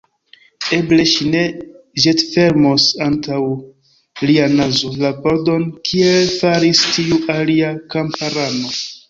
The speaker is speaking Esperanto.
Eble ŝi ne ĵetfermos antaŭ lia nazo la pordon, kiel faris tiu alia kamparano.